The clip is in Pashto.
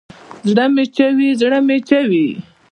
زړه مې چوي ، زړه مې چوي